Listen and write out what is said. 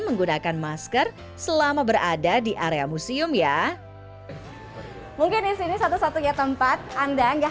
menggunakan masker selama berada di area museum ya mungkin di sini satu satunya tempat anda nggak